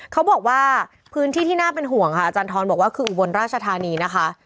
เขาบอกว่าพื้นที่ที่น่าเป็นห่วงค่ะอาจารย์ทรบอกว่าคืออุบลราชธานีนะคะ